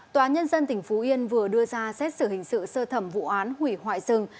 tòa nhân dân tỉnh phú yên vừa đưa ra xét xử hình sự sơ thẩm vụ án hủy hoại rừng